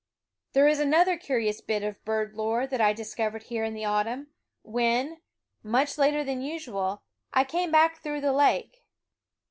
There is another curious bit of bird lore that I discovered here in the autumn, when, much later than usual, I came back through the lake.